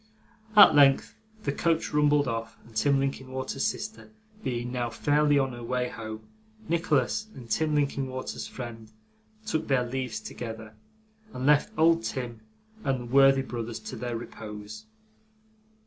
At length the coach rumbled off, and Tim Linkinwater's sister being now fairly on her way home, Nicholas and Tim Linkinwater's friend took their leaves together, and left old Tim and the worthy brothers to their repose.